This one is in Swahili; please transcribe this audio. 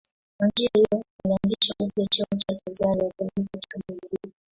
Kwa njia hiyo alianzisha upya cheo cha Kaizari wa Roma katika magharibi.